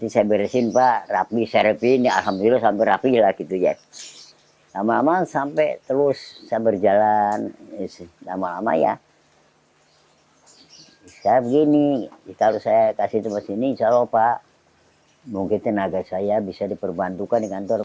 saya begini kalau saya kasih tempat ini insya allah pak mungkin tenaga saya bisa diperbantukan di kantor